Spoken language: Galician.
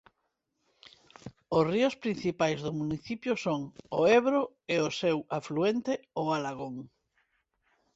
Os ríos principais do municipio son o Ebro e os seu afluente o Alagón.